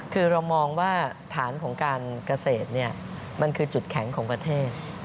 คือเรามองว่าฐานของการเกษตรมันคือจุดแข็งของประเทศ